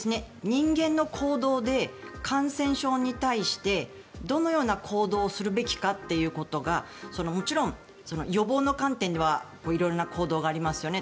人間の行動で感染症に対してどのような行動をするべきかということがもちろん、予防の観点では色々な行動がありますよね。